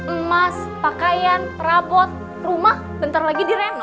emas pakaian perabot rumah bentar lagi direm